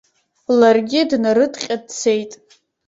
Ларгьы днарыдҟьа дцеит.